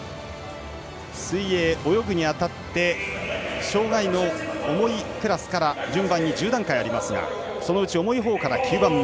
水泳、泳ぐに当たって障がいの重いクラスから順番に順番に１０段階ありますがそのうち重いほうから９番目。